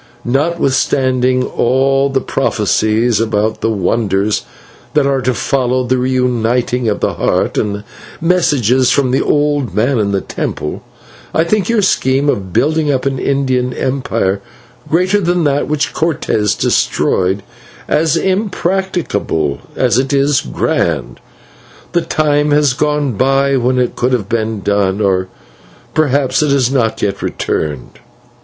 Notwithstanding all the prophecies about the wonders that are to follow the reuniting of the Heart, and the messages from the old man in the temple, I think your scheme of building up an Indian empire greater than that which Cortez destroyed, as impracticable as it is grand, since the time has gone by when it could have been done, or perhaps it has not yet returned.